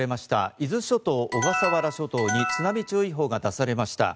伊豆諸島小笠原諸島に津波注意報が出されました。